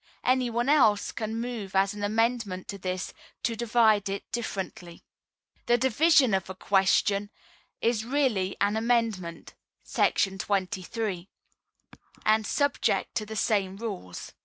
Any one else can move as an amendment to this, to divide it differently. This Division of a Question is really an amendment [§ 23], and subject to the same rules.